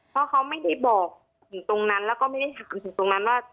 เพราะเขาไม่ได้บอกถึงตรงนั้นแล้วก็ไม่ได้ถามถึงตรงนั้นว่า